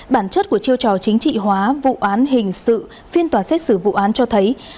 bản chất của chiêu trò chính trị hóa vụ án hình sự phiên tòa xét xử vụ án cho thấy